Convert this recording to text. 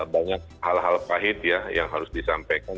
banyak hal hal pahit ya yang harus disampaikan